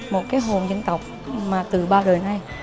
một hồn dân tộc từ bao đời nay